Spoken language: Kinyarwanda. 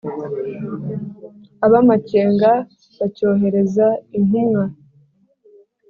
Ab'amakenga bacyohereza intumwa